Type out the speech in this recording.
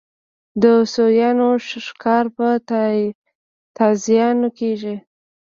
د سویانو ښکار په تازیانو کېږي.